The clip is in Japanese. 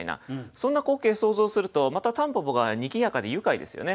そんな光景想像するとまた蒲公英がにぎやかで愉快ですよね。